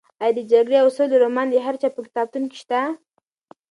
ایا د جګړې او سولې رومان د هر چا په کتابتون کې شته؟